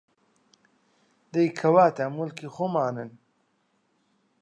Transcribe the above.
دەی کەواتە موڵکی خۆمانن